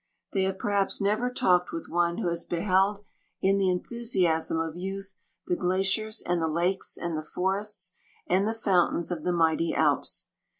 They have perhaps never talked with one who has beheld in the enthusiasm of youth the glaciers, and the lakes, and the forests, and the fountains of the mighty Alps.